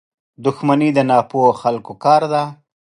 • دښمني د ناپوهو خلکو کار دی.